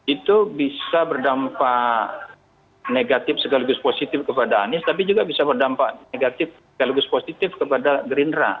itu bisa berdampak negatif sekaligus positif kepada anies tapi juga bisa berdampak negatif sekaligus positif kepada gerindra